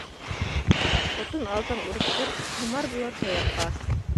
خوتۇن ئالساڭ ئۇرۇپ تۇر، خۇمار بولار تاياققا.